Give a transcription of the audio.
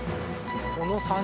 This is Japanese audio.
その３人。